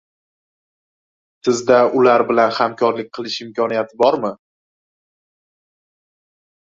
Sizda ular bilan hamkorlik qilish imkoniyati bormi?